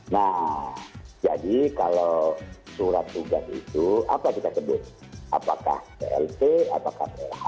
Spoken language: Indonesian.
nah jadi kalau surat tugas itu apa kita sebut apakah plt atau plh